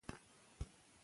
دا وسایل لاسونه لري.